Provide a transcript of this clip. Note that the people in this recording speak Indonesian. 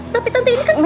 tapi tante ini kan semua